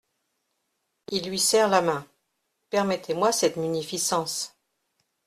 Il lui serre la main. permettez-moi cette munificence.